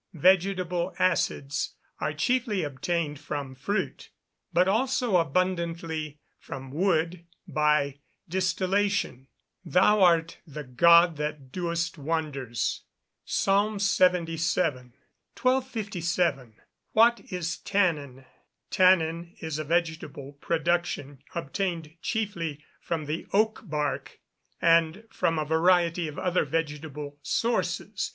_ Vegetable acids are chiefly obtained from fruit; but also abundantly from wood, by distillation. [Verse: "Thou art the God that doest wonders." PSALM LXXVII.] 1257. What is tannin? Tannin is a vegetable production, obtained chiefly from the oak bark, and from a variety of other vegetable sources.